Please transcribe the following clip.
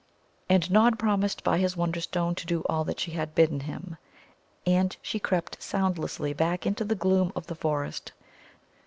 And Nod promised by his Wonderstone to do all that she had bidden him. And she crept soundlessly back into the gloom of the forest.